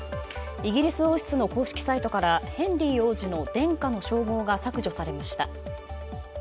イギリス王室の公式サイトからヘンリー王子の殿下の称号が削除されました。